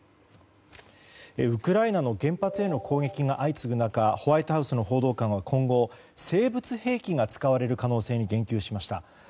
ウクライナの原発への攻撃が相次ぐ中ホワイトハウスの報道官は今後生物兵器が使われる可能性に言及しました。